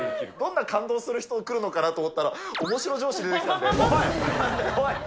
どんな感動する人が来るのかなと思ったら、おい！